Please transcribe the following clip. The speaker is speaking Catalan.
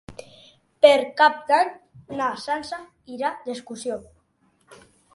Per Cap d'Any na Sança irà d'excursió.